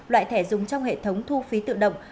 loại thẻ dùng trong hệ thống thu phí tự động